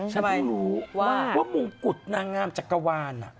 ฉันไม่รู้ว่ามงกุฎนางงามจักรวาล